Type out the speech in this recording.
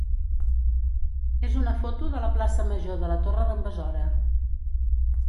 és una foto de la plaça major de la Torre d'en Besora.